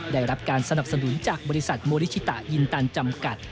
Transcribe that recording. ได้รับการสนับสนุนจากบริษัทโมริชิตายินตันจำกัด